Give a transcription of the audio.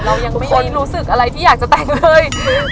เรายังไม่ได้รู้สึกอะไรที่อยากจะแต่งเลย